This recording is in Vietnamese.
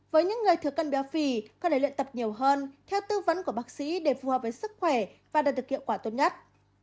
với những người thừa cân béo phì cần phải luyện tập nhiều hơn theo tư vấn của bác sĩ để phù hợp với sức khỏe và đạt được hiệu quả tốt nhất